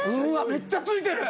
めっちゃついてる。